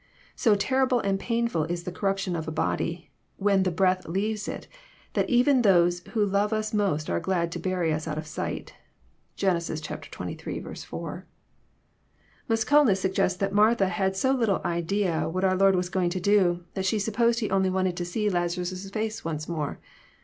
So terrible and painfhl is the corruption of a body, when the breath leaves it, that even those who love us most are glad to bury us out of sight. (Gen. zxiii. 4.) Musculus suggests that Martha had so little idea what our Lord was going to do, that she supposed He only wanted to see Lazarus' face once more.